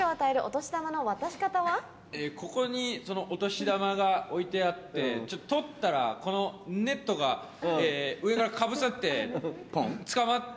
ここにお年玉が置いてあって取ったらこのネットが上からかぶさってつかまって。